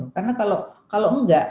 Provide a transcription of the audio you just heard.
karena kalau enggak